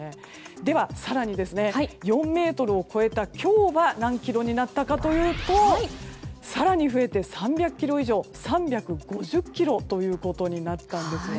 では更に、４ｍを超えた今日は何キロになったかというと更に増えて３００ｋｇ以上の３５０ｋｇとなったんですよね。